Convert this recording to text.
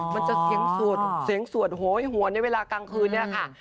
มันจะเสียงสวดหัวในเวลากลางคืน